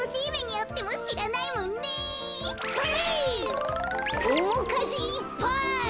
おもかじいっぱい！